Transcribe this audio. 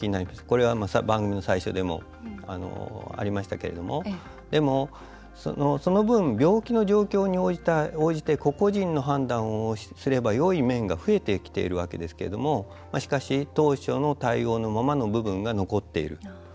これは、番組の最初でもありましたけれども。でもその分、病気の状況に応じて個々人の判断をすればよい面が増えてきているわけですけれどもしかし当初の対応のままの部分が残っている。